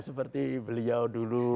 seperti beliau dulu